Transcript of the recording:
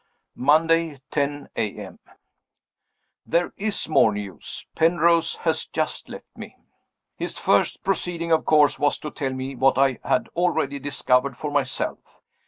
Monday, 10 A.M.. There is more news. Penrose has just left me. His first proceeding, of course, was to tell me what I had already discovered for myself.